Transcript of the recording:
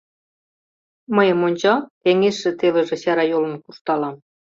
Мыйым ончал — кеҥежше-телыже чарайолын куржталам.